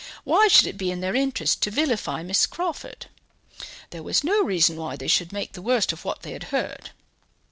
Why should it be in their interest to vilify Miss Crawford? There was no reason why they should make the worst of what they had heard.'